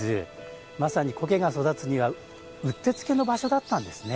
まさに苔が育つにはうってつけの場所だったんですね。